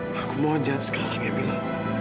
mila aku mohon jangan sekarang ya mila